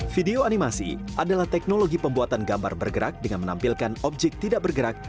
video animasi adalah teknologi pembuatan gambar bergerak dengan menampilkan objek tidak bergerak